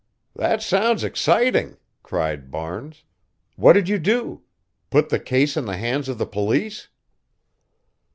"That sounds exciting," cried Barnes. "What did you do? Put the case in the hands of the police?"